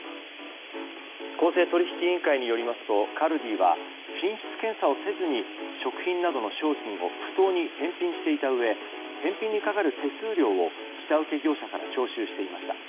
公正取引委員会によりますとカルディは品質検査をせずに食品などの商品を不当に返品していたうえ返品にかかる手数料を下請け業者から徴収していました。